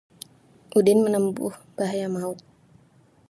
Udin menempuh bahaya maut